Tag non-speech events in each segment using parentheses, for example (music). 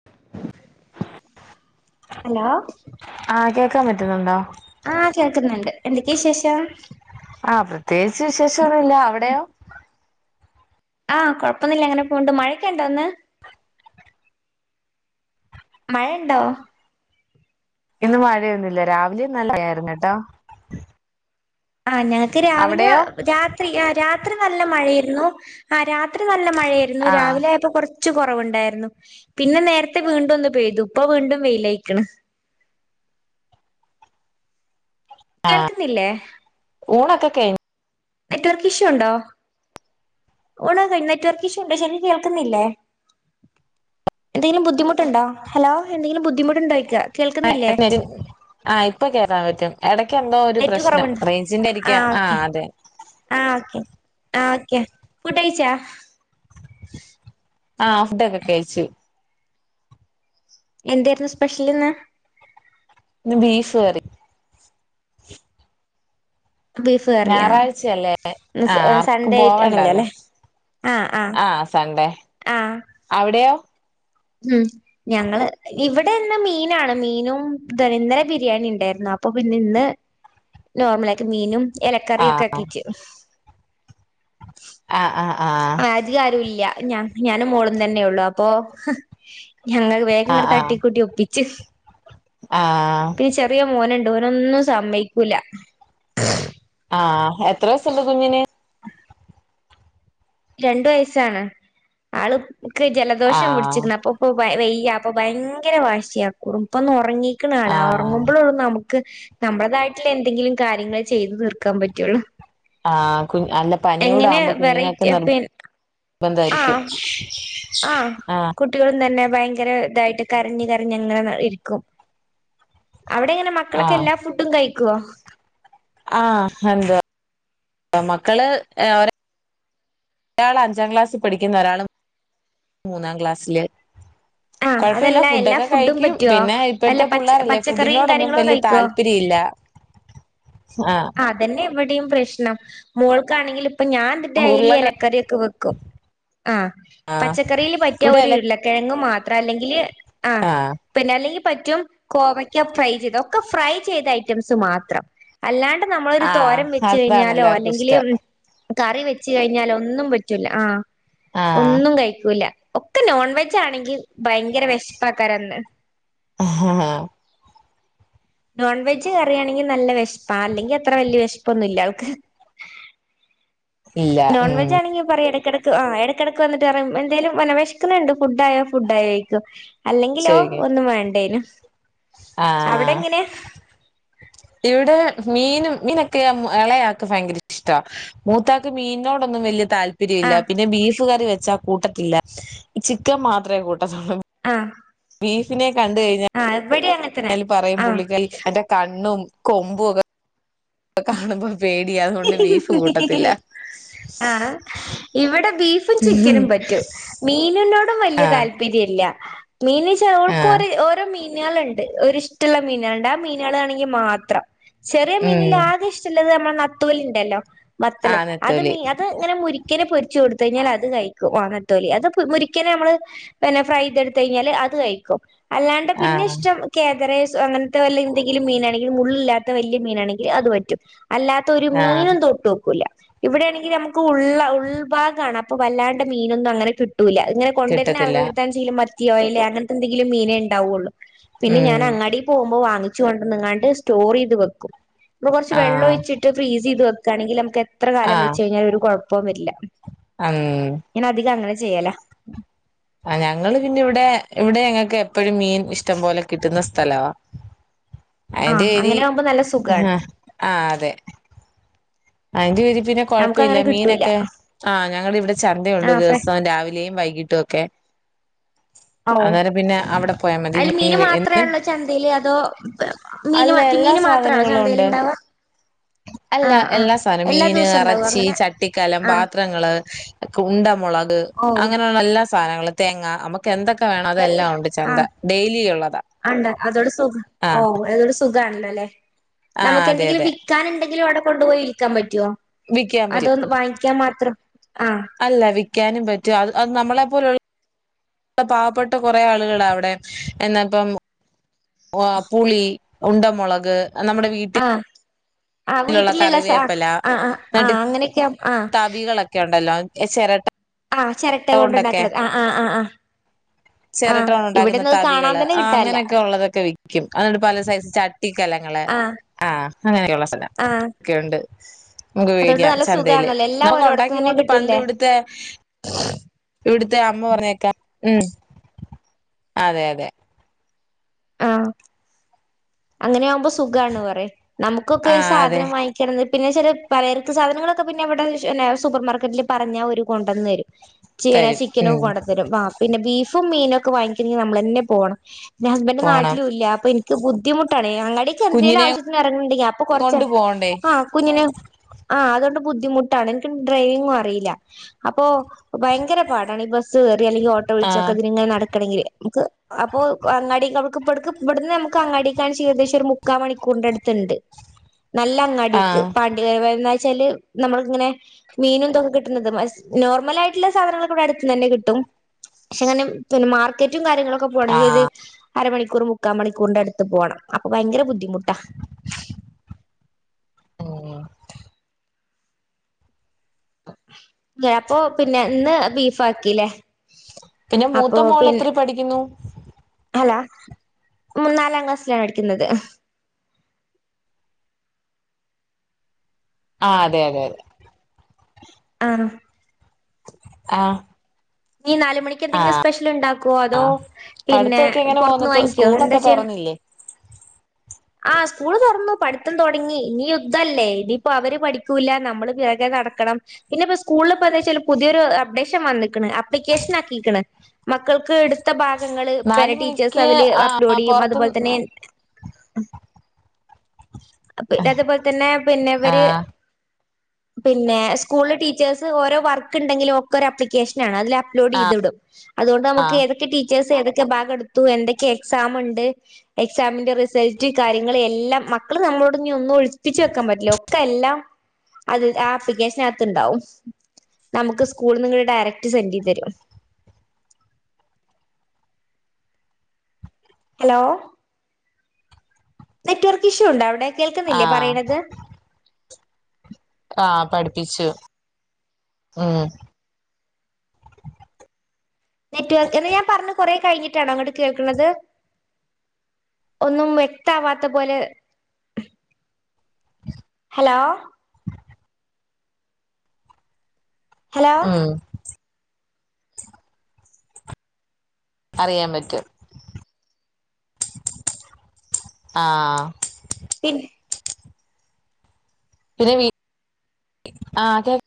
(inaudible) Hello ആഹ് കേക്കാൻ പറ്റുന്നുണ്ടോ ആഹ് കേൾക്കുന്നുണ്ട് എന്തൊക്കെയാ വിശേഷം ആഹ് പ്രത്യേകിച്ച് വിശേഷാന്നുവില്ല അവിടെയോ ആഹ് കൊഴപ്പവൊന്നുവില്ല അങ്ങനെ പോണുണ്ട് മഴയൊക്കെയുണ്ടോ ഇന്ന് മഴ ഉണ്ടോ ഇന്ന് മഴയൊന്നുവില്ല രാവിലെ നല്ല മഴയായിരുന്നു കേട്ടോ ആഹ് ഞങ്ങക്ക് രാവിലെ അവിടെയോ രാത്രി ആ രാത്രി നല്ല മഴയിരുന്നു ആ രാ ത്രി നല്ല മഴയായിരുന്നു ആഹ് രാവിലെ ആയപ്പോ കൊറ ച്ച് കൊറവുണ്ടായിരുന്നു പിന്നെ നേരത്തെ വീണ്ടും ഒന്ന് പെയ്തു ഇപ്പ വീണ്ടും വെയിലായിക്കണ് ആഹ് കേൾക്കുന്നില്ലേ ഊണൊക്കെ കഴി നെറ്റ് വർക്ക് ഇഷ്യൂ ഒണ്ടോ ഊണൊക്കെ കഴിഞ്ഞോ നെറ്റ് വർക്ക് ഇഷ്യൂ ഉണ്ടോ ശെരിക്ക് കേൾക്കുന്നില്ലേ എന്തെങ്കിലും ബുദ്ധിമുട്ടുണ്ടോ ഹലോ എന്തെങ്കിലും ബുദ്ധിമുട്ടുണ്ടോ ചോയ്ക്ക ആഹ് ആ ഇപ്പൊ കേക്കാൻ പറ്റും എടയ്ക്ക് എന്തോ ഒരു നെറ്റ് പ്രശ്നം കുറവുണ്ടോ റേഞ്ചിന്റെ ആരിക്കാം ആ ഓക്കെ അതെ ആഹ് ഓക്കെ ആ ഓക്കെ ഫുഡ്ഡ് കഴിച്ചാ ആഹ് ഫുഡൊക്കെ കഴിച്ച് എന്തായിരുന്നു സ്പെഷ്യല് ഇന്ന് ഇന്ന് ബീഫ് കറി ബീഫ് കറി ആഹ് ഞായറാഴ്ചയല്ലേ ആഹ് ആർക്കും ആണല്ലോ പോവണ്ടാല്ലോ അല്ലെ ആ ആ ആഹ് സൺഡേ ആ അവിടെയോ ഉം ഞങ്ങള് ഇവിടെ ഇന്ന് മീനാണ് മീനും (unintelligible) ഇന്നലെ ബിരിയാണി ഇണ്ടായിരുന്നു അപ്പൊ പിന്നെ ഇന്ന് നോർമലായിട്ട് മീനും എലക്കറിയൊക്കെ ആഹ് ആക്കീട്ട് ആഹ് ആഹ് ആഹ് അതികാരൂല്ല ഞ ഞാനും മോളും തന്നൊള്ളു അപ്പൊ ഞങ്ങള് വേഗങ്ങട് ആഹ് തട്ടിക്കൂട്ടി ഒപ്പിച്ച്. ആഹ് ആഹ് പി ചെ റിയ മോന്ണ്ട് ഓനൊന്നും സമ്മയ്ക്കൂല. ആഹ് എത്ര വയസ്സ്ണ്ട് കുഞ്ഞിന്? രണ്ട് വയസ്സാണ്. ആള്ക്ക് ജലദോഷം ആഹ് പിടിച്ച്ക്ക്ണ് അപ്പൊ പ്പൊ വയ് വെയ്യ അപ്പൊ ഭയങ്കര വാശിയാ കുറ് പ്പൊന്നൊറങ്ങിക്ക്ണ് ആള് ആഹ് ഒറങ്ങുമ്പളൊള്ളു നമ ക്ക് നമ്മള്ളതായിട്ട്ള്ള എന്തെങ്കിലും കാര്യങ്ങള് ചെയ്ത് തീർക്കാൻ പറ്റൊള്ളൂ. ആഹ് കുഞ്ഞ് അല്ല പനിയോടവുമ്പോ കുഞ്ഞ്ന ത്ത്യ പിൻ ആഹ് ആഹ് കു ട്ട്യേളും തെന്നെ ഭയങ്കര തായിട്ട് കരഞ്ഞ് കരഞ്ഞ ങ്ങനെ ഇരിക്കും. അവടെങ്ങനെ മക്കളൊക്കെ ആഹ് എല്ലാ ഫുഡും കയിക്കോ? ആഹ് എന്താ മക്കള് ഏഹ് ഒരാ രാളഞ്ചാ ക്ലാസ്സ് പഠിക്ക്ന്ന് ഒരാള് മൂന്നാം ക്ലാസ്സില്. ആഹ് കൊഴപ്പയില്ല അതല്ല എല്ലാ ഫുഡൊക്കെ ഫുഡും കഴിക്കും. പറ്റുവോ പിന്നെ അല്ല ഇപ്പഴ്ത്തെ പച്ച പുള്ളാരല്ലേ പച്ചക്കറിയും ഫുഡിനോടൊന്നും കാര്യങ്ങളൊക്കെ വല്ല്യേ കഴിക്കുവോ താല്പര്യല്ലാ. (unintelligible) ആഹ് അതെന്നിവടീം പ്രശ്നം മോൾക്കാണെങ്കില് ഇപ്പൊ ഞാൻ ഡെ ഡെയ്ലി ഉരുളകിഴ എലക്കറ്യൊക്കെ വെക്കും. ആഹ് ആഹ് പച്ചക്കറീല് പറ്റാ ഇവിടെ ഒര് എല ഉരുളക്കെഴങ്ങ് മാ ത്രാ അല്ലെങ്കില് ആഹ്. പിന്നല്ലെങ്കി പറ്റും കോവയ്ക്ക ഫ്രൈ ചെയ്ത് ഒക്കെ ഫ്രൈ ചെയ്ത ഐറ്റംസ് മാത്രം. അല്ലാണ്ട് നമ്മളൊര് ആഹ് തോരൻ വെച്ച് അതാണ് കയിഞ്ഞാലോ എല്ലാർക്കും അല്ലെങ്കില് ഇഷ്ടം ഉം കറി വെച്ച് കഴിഞ്ഞാലൊന്നും പറ്റൂല ആഹ് ഒന്നും കയിക്കൂല. ഒക്കെ നോൺ വെജാണെങ്കി ഭയങ്കര വെഷപ്പക്കാരന്ന്. ആഹ് നോൺ വെജ് കറ്യാണെങ്കി നല്ല വെഷപ്പാ അല്ലെങ്കി അത്ര വെല്ല്യ വെഷപ്പൊന്നുല്ലാവക്ക്. ഇല്ല നോൺ ഉം വെജാണെങ്കി പറയും എടക്കെട ക്ക് ആഹ് എടക്കെടക്ക് വന്ന്ട്ട് പറയും എന്തേലും വന്നെ വെശ്ക്ക്ണ്ണ്ണ്ട് ഫുഡായോ ഫുഡായോയ്ക്കും. അല്ലെങ്കിലോ ശരി ഒന്നും വേണ്ടേനും. അവിടെ ആഹ്. എങ്ങനെയാ ഇവിടെ മീനും മീനൊക്കെ എം എളയാക്ക് ഭയങ്കരിഷ്ടാ. മൂത്താക്ക് മീൻന്നോടൊന്നും വെല്ല്യേ താല് ആ പ്പര്യല്ലാ പിന്നെ ബീഫ് കറി വെച്ചാ കൂട്ടത്തില്ല. ചിക്കൻ മാത്രേ കൂട്ടത്തൊള്ളൂ. ആഹ്. ബീഫിനെ കണ്ട് കഴിഞ്ഞാ ആഹ് ഇവടേം അങ്ങൻ അയ്ല് പറയും പുള്ളിക്കൽ അയ്ന്റെ കണ്ണും കൊമ്പൊക്കെ കാണുമ്പോ പേടിയാ അതുകൊണ്ട് ബീഫ് കൂട്ടത്തില്ല ആഹ് ഇവടെ ബീഫ് ഫും ചിക്കനും പറ്റും മീനിനോടും വെല്ല്യ ആഹ് താൽ പ്പര്യല്ല. മീന്ച്ചാ ആഹ് ഓൾക്കോരെ ഓരോ മീൻ നാള് ണ്ട്. ഒര്ഷ്ടള്ള മീനാള്ണ്ട്. ആ മീനാളാണെങ്കി മാത്രം. ചെറിയ ഉം മീനിലാകിഷ്- ട്ടല്ലത ർഞ്ഞ മ്മളെ നത്തോലിണ്ടല്ലോ വത്തല് ആഹ് അത് നെത്തോലി മീ അത് ഇങ്ങനെ മുരിക്കനെ പൊരിച്ചൊട്ത്തയ്ഞ്ഞാ അത് കയിക്കും. ആഹ് നത്തോലി. അത് മുരിക്കനെ നമ്മള് പിന്നെ ഫ്രൈ തൊട്ത്തയിഞ്ഞാല് അത് കയ്ക്കും. അല്ലാണ്ട് പിന്നെ ആഹ് ഷ്ടം കേതരെയ്‌സ് അങ്ങൻത്ത വല്ല എന്തെങ്കിലും മീനാണെങ്കി മുള്ളില്ലാത്ത വെല്ല്യ മീനാണെങ്കി അത് പറ്റും. അല്ലാ ത്തൊരു ആഹ് മീനും തൊട്ടോക്കൂല. ഇവിടെണെങ്കി നമ്മക്ക് ഉള്ളാ ഉൾഭാഗാണ് അപ്പൊ വല്ലാണ്ട് മീനൊന്നും അങ്ങനെ കിട്ടൂല്ല അത് ഇങ്ങനെ കൊണ്ടര്ന്ന കിട്ടത്തില്ല ആളുകൾടെട്ത്താൺച്ചങ്കിലും മത്ത്യോ ഐലേ അങ്ങനത്തെന്തെങ്കിലും മീനേ ഇണ്ടാവൊള്ളു പിന്നെ ഉം ഞാന് അങ്ങാടി പോവുമ്പോ വാങ്ങിച്ച് കൊണ്ടന്ന്ങ്ങാണ്ട് സ്റ്റോറീത് വെക്കും അപ്പൊ കൊറച്ച് ആഹ് വെള്ളൊഴിച്ചി ട്ട് ഫ്രീസ് ചെയ്ത് വെക്കാണെങ്കിൽ നമുക്ക് എത്ര കാലം ആഹ് വെച്ച് കഴിഞ്ഞാലും ഒരു കുഴപ്പവും വരില്ല. ഉം ഞാൻ അധികം അങ്ങനെ ചെയ്യലാ. ആഹ് ഞങ്ങള് പിന്നെ ഇവിടെ ഇവിടെ ഞങ്ങൾക്ക് എപ്പഴും മീൻ ഇഷ്ടം പോലെ കിട്ടുന്ന സ് ഥലവാ. അതിന്റെ ആഹ് ഒരി അങ്ങനെ ആകുമ്പോ നല്ല സുഖാണ് ആഹ് അതെ. അതിൻ്റൊരി പിന്നെ നമുക്ക് കൊഴപ്പില്ല അങ്ങനെ കിട്ടൂല മീനൊക്കെ ആഹ് ഞങ്ങള് ഇവിടെ ചന്തയുണ്ട് ആഹ് ദിവസം രാവിലെയും വൈകിട്ടും ഒക്കെ. ആണോ അന്നേരം പിന്നെ അവിടെ പോയാൽ മതി അതില് മീന് മീൻ മാത്രേ എന്നും ഉള്ളൂ ചന്തയില് അതോ മീന് അല്ല മത്തി എല്ലാ മീന് മാത്രാണോ സാധനങ്ങളും ചന്തയില് ഉണ്ട് ഉണ്ടാവാ. അല്ല. എല്ലാ സാധനവും മീന് ഉണ്ടാവോ ഇറച്ചി അങ്ങനെ ചട്ടിക്കലം ആഹ് പാത്രങ്ങള് ഉണ്ടമുളക് ഓ അങ്ങനെയുള്ള എല്ലാ സാധനങ്ങളും. തേങ്ങ നമുക്ക് എന്തൊക്കെ വേണം എല്ലാ അതെല്ലാം ഉണ്ട് ചന്ത. ഡെയിലി ഉള്ളതാ. അതോണ്ട് സുഖാ ആ ഓഹ് സുഖാണല്ലോല്ലെ. ആ നമുക്ക് അതെ എന്തെങ്കിലും അതെ വിക്കാനന്തെങ്കിലും അവിടെ കൊണ്ടുപോയി വിൽക്കാൻ പറ്റോ വിൽക്കാൻ പറ്റും അതൊ വാങ്ങിക്ക്യാൻ മാത്രം ആഹ് അല്ല വിൽക്കാനും പറ്റും അത് അത് നമ്മളെ പോലു ഇപ്പ പാവപ്പെട്ട കൊറേ ആളുകളാ അവിടെ ഒരുഎന്നാ ഇപ്പം വാളം പുളി ഉണ്ടമുളക് നമ്മുടെ വീ ആഹ് ആഹ് വീട്ടിലുള്ള സാ കറിവേപ്പില ആഹ് ആഹ് ആഹ് അങ്ങനെയൊക്കെയാ ആഹ് ഒക്കെ ഉണ്ടല്ലോ ചിരട്ട ആഹ് ചിരട്ട കൊണ്ട് കൊണ്ടൊക്കെ ഉണ്ടാക്കണത് ആഹ് ആഹ് ആഹ് ആഹ് ചിരട്ട ആഹ് കൊണ്ട് ഉണ്ടാക്കുന്ന ഇവിടെന്നും അത് കാണാൻ തവികള് തന്നെ ആഹ് കിട്ടാനില്ല അങ്ങനെയൊക്കെ ഉള്ളതൊക്കെ വിക്ക്യും അന്നിട്ട് പല സൈസ് ചട്ടിക്കലങ്ങള് ആഹ് ആഹ് അങ്ങനെയുള്ള സ്ഥലം ആഹ് ഒക്കെ ഉണ്ട്. നമുക്ക് അതുകൊണ്ട് പേട്യാ നല്ല ചന്തയില് സുഖാണല്ലോ എല്ലാം നമുക്ക് ഓരോടത്ത് തന്നെ ഉണ്ടാക്കികൊണ്ട് പണ്ട് കിട്ടൂല്ലേ ഇവിടുത്തെ ഇവിടുത്തെ അമ്മ പറഞ്ഞത് കേക്കാം ഉം അതെ അതെ ആഹ് അങ്ങനെ ആകുമ്പോ സുഖാണ് പറയാ നമുക്കൊക്കെ ആ അതെ സാധനം വാങ്ങി ചെന്ന് പിന്നെ ചെല പലചരക്ക് സാധനങ്ങളൊക്കെ പിന്നെ ഇവിടെ തന്നെ സൂപ്പർ മാർക്കറ്റിൽ പറഞ്ഞാൽ ഓര് കൊണ്ടന്ന്തരും ചേന തരും ചിക്കനും ഒക്കെ ഉം കൊണ്ടന്ന്തരും ആഹ് പിന്നെ ബീഫും മീനൊക്കെ വാങ്ങിക്കണെങ്കിൽ നമ്മളന്നെ പോണം ന്റെ ഹസ്ബൻ്റ് പോണം നാട്ടിലും ഇല്ല അപ്പൊ എനിക്ക് ബുദ്ധിമു ട്ടാണ് അങ്ങാടിക്ക് എന്തെങ്കിലും കുഞ്ഞിനെ ആവശ്യത്തിന് ഇറങ്ങുന്നുണ്ടെങ്കി അപ്പൊ കൊറച്ച് കൊണ്ട് പോണ്ടേ ആഹ് കുഞ്ഞിന് ആഹ് അതുകൊണ്ട് ബുദ്ധിമുട്ടാണ് എനിക്ക് ഡ്രൈവിങ്ങും അറിയില്ല. അപ്പൊ ഭയങ്കര പാടാണ് ഈ ബസ്സ് കയറി അല്ലെങ്കിൽ ഓ ട്ടോ വിളിച്ചൊക്കെ ആഹ് ഇതിനിങ്ങനെ നടക്കണെങ്കില് ഇൻക്ക് അപ്പോ അങ്ങാടിൻ്റവ്ക്ക് ഇപട്ക്ക് ഇവടുന്ന് നമുക്ക് അങ്ങാടി (unintelligible) ഏകദേശം മുക്കാ മണിക്കൂറിൻ്റ അട്ത്തുണ്ട്. നല്ല അങ്ങാടിക്ക് ആഹ് പ (unintelligible) എന്നാച്ചാല് നമ്മള് ഇങ്ങനെ മീനും ഇതൊക്കെ കിട്ടുന്നത് മറിച്ച് നോർമല് ആയിട്ടുള്ള സാധനങ്ങളൊക്കെ ഇവിടെ അടുത്തന്നന്നെ കിട്ടും. പക്ഷെ എങ്ങാനും പിന്നെ മാർക്കറ്റും കാര്യങ്ങളൊക്കെ പോകണെങ്കിൽ ഒരു ആഹ് അരമണിക്കൂർ മുക്കാ മണിക്കൂറിന്റെ അടു ത്ത് പോകണം അപ്പൊ ഭയങ്കര ബുദ്ധിമുട്ടാ. ഉം അപ്പൊ പിന്നെ ഇന്ന് ബീഫ് ആക്കീലേ. പിന്നെ മൂത്ത അപ്പൊ മോള് പിന്നെ എത്ര പഠിക്കുന്നു അല്ല നാലാം ക്ലാസ്സിലാണ് പഠിക്കുന്നത്. ആഹ് അതെ അതെ അതെ. ആണോ? ആഹ് ഇനി നാലു മണിക്ക് എന്തെങ്കിലും സ്പെഷ്യല്ണ്ടാക്കുവോ? അതോ ആഹ് പിന്നെ പഠിത്തൊക്കെ എങ്ങനെ പൊറത്ത്ന്ന് പോകുന്നു വാങ്ങിക്കുവോ എന്താ സ്കൂളൊക്കെ ചെയ്യുന്നേ? തുറന്നില്ലേ ആഹ് സ്കൂള് തൊറന്നു. പഠിത്തം തൊടങ്ങി. ഇനി യുദ്ധല്ലേ ഇനിയിപ്പോ അവര് പഠിക്കൂല്ല നമ്മള് പിറകെ നടക്കണം. പിന്നെപ്പ സ്കൂളില് എന്തച്ചാല് പുതിയൊരു അപ്ഡേഷൻ വന്നിക്ക്ണ്. അപ്ലിക്കേഷൻ ആക്കിക്ക്ണ്. മക്കൾക്ക് എടുത്ത ഭാഗങ്ങള് നാല് ഇബലെ ടീച്ചേഴ്സ് മണിക്ക് അതില് ആഹ് അപ്‌ലോഡ് ചെയ്യും. പുറത്ത് അതുപോലെ തന്നെ അത് പോലത്തന്നെ പിന്നെ ഇവര് ആഹ് പിന്നെ സ്കൂളില് ടീച്ചേഴ്സ് ഓരോ വർക്ക്ണ്ടെങ്കിലും ഒക്കെ ഒരു അപ്ലിക്കേഷനാണ് അതില് അപലോഡ് ചെയ്തു വിടും അതുകൊണ്ട് നമ്മക്ക് ആഹ് ഏതൊക്കെ ടീചേഴ്സ് ഏതൊ ക്കെ ഭാഗെടുത്തു എന്തൊക്കെ എക്സാമ്ണ്ട് എക്സാമിന്റെ റിസൾ ട്ട് കാര്യങ്ങള് എല്ലാം മക്കള് നമ്മളോട് ഇഞ്ഞ് ഒന്നും ഒളിപ്പിച്ച് വെക്കാൻ പറ്റില്ല ഒക്കെ എല്ലാം അത് ആഹ് ആപ്ലിക്കേഷനകത്ത് ഇണ്ടാവും നമുക്ക് സ്കൂൾന്ന് ഇങ്ങട്ട് ഡയറക്ട് സെന്റ് ചെയ്തരും ഹലോ നെറ്റ് വർക്ക് ഇഷ്യൂണ്ടോ അവിടെ കേൾക്കുന്നില്ലേ ആഹ് പറയ്ണത്? ആഹ് പഠിപ്പിച്ചു ഉം നെറ്റ് വർക്ക് എന്ത ഞാൻ പറഞ് കൊറേ കഴിഞ്ഞിട്ടാണോ അങ്ങട്ട് കേൾക്ക്ണത്? ഒന്നും വ്യക്കാവാത്ത പോലെ ഹലോ? ഹലോ ഉം അറിയാൻ പറ്റും ആഹ് പി പിന്നെ വീ ആഹ് കേൾ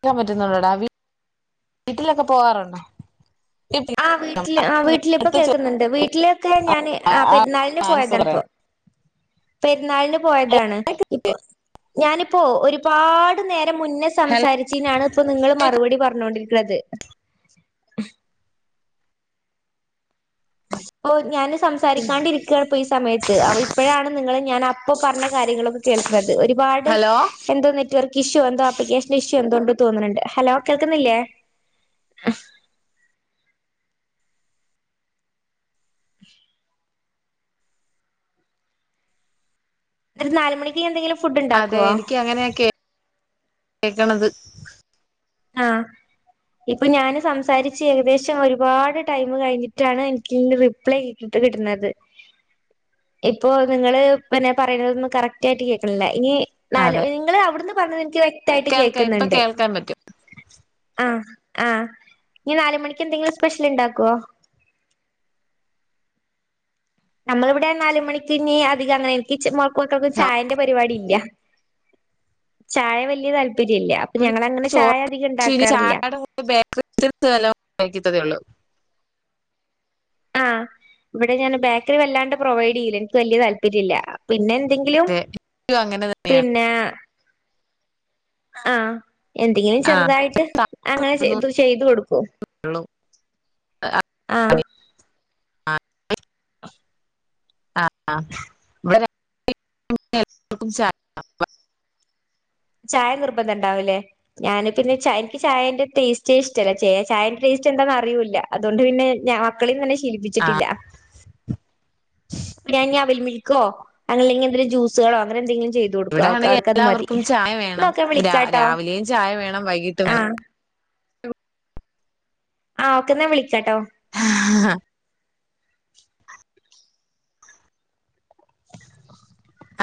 ക്കാൻ പറ്റുന്നുണ്ടെടാ വീട്ടിലൊക്കെ പോകാറുണ്ടോ? ആഹ് വീട്ടില് ആഹ് വീട്ടില് ഇപ്പൊ അടുത്ത ചോ കേൾക്കുന്നുണ്ട് വീട്ടിലൊക്കെ ഞാൻ ആഹ് പെരുന്നാളിന് ആൻസർ പോയതാണ്പ്പോ പറയണം പെരുന്നാളിന് പോയതാണ് ഇപ്പൊ ഞാനിപ്പൊ ഒരുപാട് നേരം മുന്നേ സംസാരിച്ചയിനാണ് ഇപ്പൊ നിങ്ങള് മറുപടി പറഞ്ഞോണ്ടിരിക്ക്ണത് ഓഹ് ഞാന് സംസാരിക്കാണ്ടിരിക്കാണ് ഇപ്പൊ ഈ സമയത്ത് ഇപ്പോഴാണ് നിങ്ങള് ഞാൻ അപ്പ പറഞ്ഞ കാര്യങ്ങളൊക്ക കേൾക്ക്ണത് ഒരുപാട് ഹലോ എന്തോ നെറ്റ് വർക്ക് ഇഷ്യൂ എന്തോ ആപ്ലിക്കേഷൻ ഇഷ്യൂ എന്തോണ്ട് തോന്ന്ണ് ണ്ട് ഹലോ കേൾക്കുന്നില്ലേ? ആഹ് ഇന്നെട്ട് നാല് മണിക്ക് ഇനിയെന്തങ്കിലും അതെ എനിക്ക് അങ്ങനെയ കേ കേക്ക്ണത് ആഹ് ഇപ്പൊ ഞ്ഞാന് സംസാരിച്ച് ഏകദേശം ഒരുപാട് ടൈമ് കഴിഞ്ഞിട്ടാണ് എനിക്ക് ഇങ്ങ് റി പ്പെ ഇൻക്ക് കിട്ട്ണത് ഇപ്പോ നിങ്ങള് പിന്നെ പറയുന്നതൊന്നും കറക്റ്റായിട്ട് കേക്ക്ണില്ല ഇനി നാല് അതെ നിങ്ങൾ അവിടുന്ന് പറയിണത് ഇൻക്ക് വ്യക്തായിട്ട് കേക്കുന്നുണ്ട് ത്താൻ പറ്റും ആഹ് ആഹ് ഇഞ്ഞ് നാല് മണിക്ക് എന്തെങ്കിലും സ്പെഷ്യല്ണ്ടാക്കോ? നമ്മളിവിടെ നാല് മണിക്കി ഇനി അധികം അങ്ങനെ എനിക്ക് മക്കക്കും ചായന്റെ പരിപാടി ഇല്ല ചായ വല്യയ താല്പര്യല്ല അപ്പൊ ഞങ്ങളങ്ങനെ ചായ അധികം ഇണ്ടാക്കാറില്ല ഇപ്പൊ ബേക്കറി ഐറ്റംസ് നല്ലോം കഴിക്കത്തതേ ഒള്ളൂ ആഹ് ഇവിടെ ഞാൻ ബേക്കറി വല്ലാണ്ട് പ്രൊവൈഡ് ചെയ്യില്ല ഇൻക്ക് വലിയ താല്പര്യല്ല പിന്നെ എന്തെങ്കിലും അതെ എനിക്കും അങ്ങനെ തന്നെയാണ് പിന്നെ ആഹ് എന്തെങ്കിലും ചെറുതായിട്ട് ആ അങ്ങനെ ചെയ് ചെയ്തു കൊടുക്കും ള്ളം ആഹ് ആഹ് ഇവിടെ എല്ലാർക്കും ചായ ചായ നിർബന്ധം ഇണ്ടാവുലെ ഞാൻ പിന്നെ ചായ എൻക്ക് ചായന്റെ ടേസ്റ്റേ ഇഷ്ടല്ല ചായന്റെ ടേസ്റ്റ് എന്താന്ന് അറിയൂല്ല അതുകൊണ്ട് പിന്നെ ഞാൻ മക്കളി തന്നെ ശീലിപ്പിച്ചിട്ടില്ല ഞാൻ അവിൽ മിൽക്കോ അങ്ങനല്ലെങ്കി എന്തേലും ജൂസുകളോ അങ്ങനെ എന്തെങ്കിലും ചെയ്യും ഇവ്ടെ ആണെങ്കി എല്ലാവർക്കും ചായ വേണം ഓക്കെ ഞാൻ വിളിക്കാട്ടോ രാവിലെയും ചായ വേണം വൈകിട്ടും വേണം ആഹ് ആഹ് ഒക്കെ ഇന്ന ഞാൻ വിളിക്കാട്ടോ ആഹ്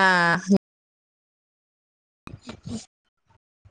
ആഹ് ഉം